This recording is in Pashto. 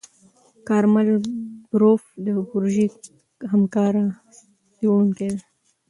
کارمل بروف د پروژې همکاره څېړونکې ده.